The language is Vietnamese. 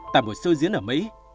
tại một show diễn ở mỹ